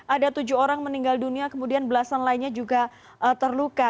ada tujuh orang meninggal dunia kemudian belasan lainnya juga terluka